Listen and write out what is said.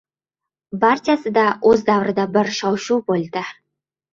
Barchasida o‘z davrida bir shov-shuv bo‘ldi.